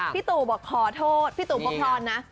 พี่ตู่บอกขอโทษพี่ตู่ประพรนะ